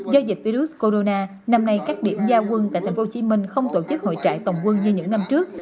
do dịch virus corona năm nay các điểm gia quân tại tp hcm không tổ chức hội trại tổng quân như những năm trước